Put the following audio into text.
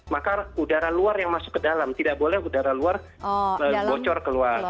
maka udara luar yang masuk ke dalam tidak boleh udara luar bocor keluar